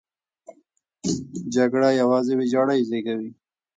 جګړه یوازې ویجاړۍ زېږوي.